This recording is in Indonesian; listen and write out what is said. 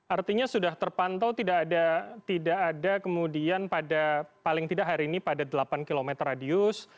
artinya sudah terpantau tidak ada kemudian pada paling tidak hari ini pada delapan km radius